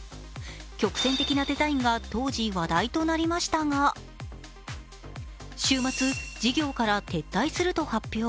曲線的なデザインが当時、話題となりましたが、週末、事業から撤退すると発表。